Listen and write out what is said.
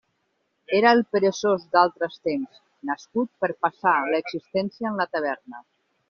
Era el peresós d'altres temps, nascut per a passar l'existència en la taverna.